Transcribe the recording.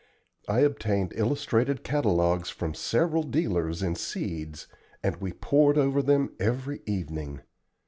I obtained illustrated catalogues from several dealers in seeds, and we pored over them every evening.